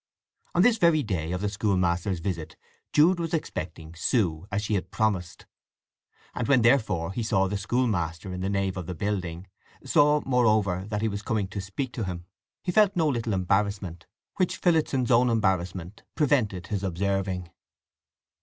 On this very day of the schoolmaster's visit Jude was expecting Sue, as she had promised; and when therefore he saw the schoolmaster in the nave of the building, saw, moreover, that he was coming to speak to him, he felt no little embarrassment; which Phillotson's own embarrassment prevented his observing.